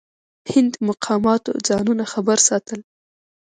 هند مقاماتو ځانونه خبر ساتل.